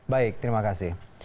baik terima kasih